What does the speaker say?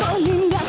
uhun dari jakarta